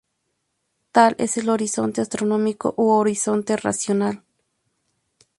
Tal es el horizonte astronómico u horizonte racional.